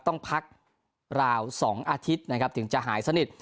ต้องพักราว๒อาทิตย์นะครับถึงจะหายสนิท